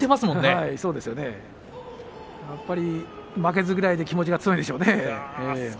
やっぱり負けず嫌いで気持ちが強いですよね。